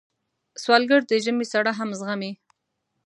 سوالګر د ژمي سړه هم زغمي